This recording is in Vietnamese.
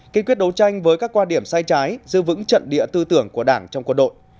kiên quyết đấu tranh với các quan điểm sai trái giữ vững trận địa tư tưởng của đảng trong quân đội